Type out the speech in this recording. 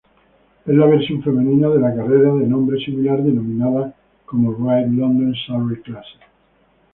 Es la versión femenina de la carrera de nombre similar denominada como RideLondon-Surrey Classic.